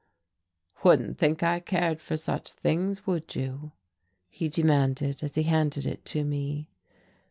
"Wouldn't think I cared for such things, would you?" he demanded as he handed it to me.